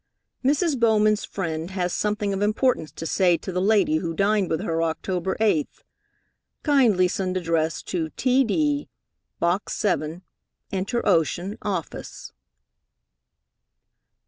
Mrs. Bowman's friend has something of importance to say to the lady who dined with her October 8th. Kindly send address to T.D., Box 7 Inter Ocean office.